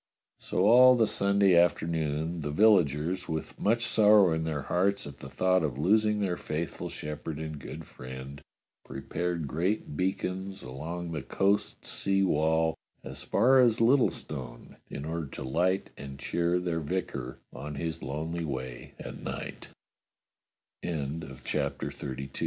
So all that Sunday afternoon the villagers, with much sorrow in their hearts at the thought of losing their faithful shepherd and good friend, prepared great beacons along the coast sea wall as far as Littlestone, in order to light and cheer their vicar o